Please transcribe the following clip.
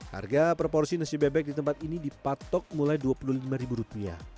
harga proporsi nasi bebek di tempat ini dipatok mulai rp dua puluh lima